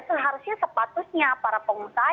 seharusnya sepatutnya para pengusaha